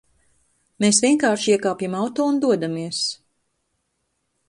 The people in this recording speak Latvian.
Mēs vienkārši iekāpjam auto un dodamies...